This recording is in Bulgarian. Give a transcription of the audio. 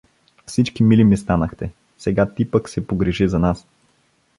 Всички мили ми станахте Сега ти пък се погрижи за нас.